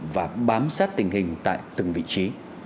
và bám sát tình hình tại từng vị trí